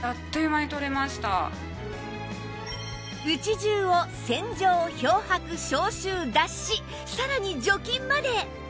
家中を洗浄漂白消臭脱脂さらに除菌まで！